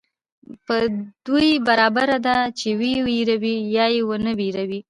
په دوى برابره ده چي وئې وېروې يا ئې ونه وېروې